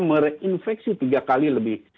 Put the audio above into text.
merinfeksi tiga kali lebih